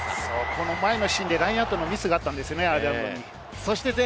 前のシーンでアイルランドにラインアウトのミスがあったんですよね。